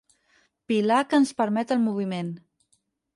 Pilar que ens permet el moviment.